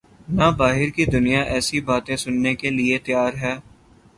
نہ باہر کی دنیا ایسی باتیں سننے کیلئے تیار ہے۔